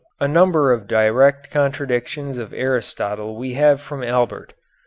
A number of direct contradictions of Aristotle we have from Albert.